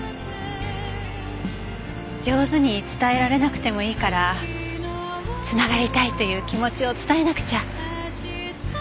上手に伝えられなくてもいいから繋がりたいという気持ちを伝えなくちゃ。